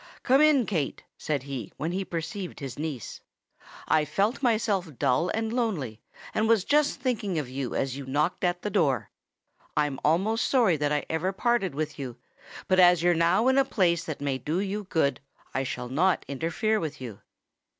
"Come in, Kate," said he, when he perceived his niece; "I felt myself dull and lonely, and was just thinking of you as you knocked at the door. I'm almost sorry that I ever parted with you; but as you're now in a place that may do you good I shall not interfere with you."